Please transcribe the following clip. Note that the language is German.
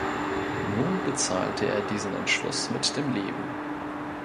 Nun bezahlte er diesen Entschluss mit dem Leben.